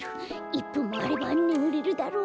１ぷんもあればねむれるだろう。